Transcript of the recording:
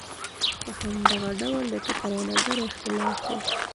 په همدغه ډول د فکر او نظر اختلاف دی.